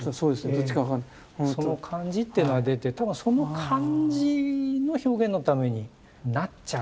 その感じっていうのが出て多分その感じの表現のためになっちゃうっていうような。